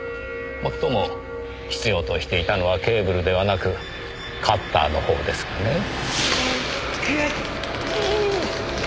もっとも必要としていたのはケーブルではなくカッターの方ですがね。